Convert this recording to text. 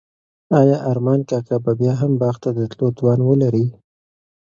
آیا ارمان کاکا به بیا هم باغ ته د تلو توان ولري؟